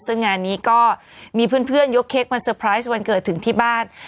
ซึ่งงานนี้ก็มีเพื่อนยกเค้กมาเตอร์ไพรส์วันเกิดถึงที่บ้าน